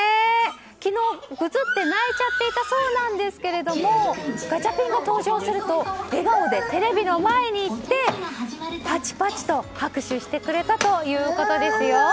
昨日、ぐずって泣いちゃっていたそうなんですけどガチャピンが登場すると笑顔でテレビの前に来てパチパチと拍手してくれたということですよ。